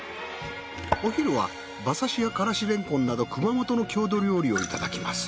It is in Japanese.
お昼は馬刺しやからしれんこんなど熊本の郷土料理をいただきます。